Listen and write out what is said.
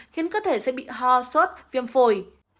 khiến cơ thể sẽ bị ho sốt viêm phổi